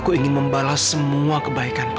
aku ingin membalas semua kebaikan papa